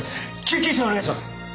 救急車お願いします。